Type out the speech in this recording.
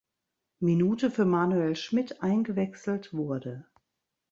Minute für Manuel Schmid eingewechselt wurde.